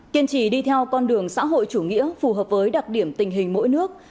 kiên trì đi theo con đường xã hội chủ nghĩa phù hợp với đặc điểm tình hình mỗi nước